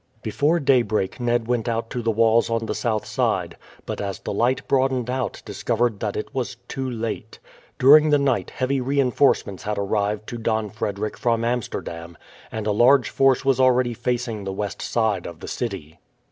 Before daybreak Ned went out to the walls on the south side, but as the light broadened out discovered that it was too late. During the night heavy reinforcements had arrived to Don Frederick from Amsterdam, and a large force was already facing the west side of the city.